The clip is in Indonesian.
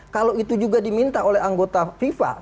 kalau itu juga diminta oleh anggota fifa